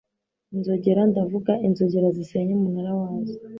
Inzogera, ndavuga, inzogera zisenya umunara wazo;